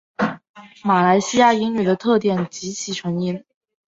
马来西亚英语的特点及其成因